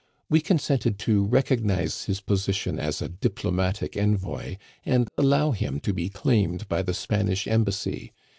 We consented to recognize his position as a diplomatic envoy, and allow him to be claimed by the Spanish Embassy.